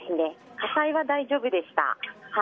火災は大丈夫でした。